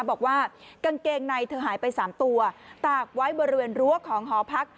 บอกว่ากางเกงในเธอหายไป๓ตัวตากไว้บริเวณรั้วของหอพัก